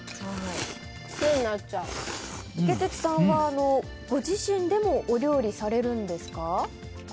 イケテツさんはご自身でもお料理されるんですか。